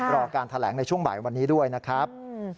รอการแถลงในช่วงบ่ายวันนี้ด้วยนะครับ